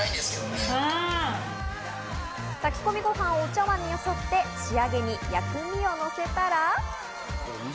炊き込みご飯をお茶碗によそって、仕上げに薬味をのせたら。